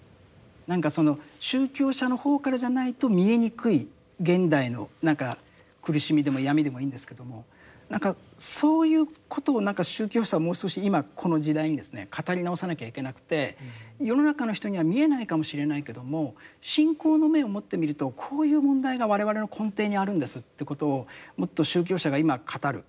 何か宗教者の方からじゃないと見えにくい現代の何か苦しみでも闇でもいいんですけども何かそういうことを宗教者はもう少し今この時代にですね語り直さなきゃいけなくて世の中の人には見えないかもしれないけども信仰の目を持ってみるとこういう問題が我々の根底にあるんですということをもっと宗教者が今語る。